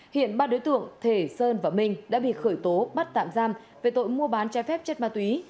hiện ba đối tượng thể sơn và minh đã bị khởi tố bắt tạm giam về tội mua bán trái phép chất ma túy